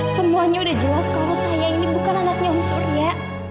semuanya udah jelas kalau saya ini bukan anaknya surya